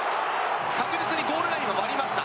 確実にゴールラインは割りました。